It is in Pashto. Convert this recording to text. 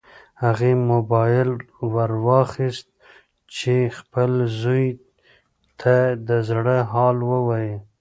هغې موبایل ورواخیست چې خپل زوی ته د زړه حال ووایي.